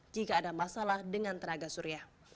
jika ada masalah dengan tenaga surya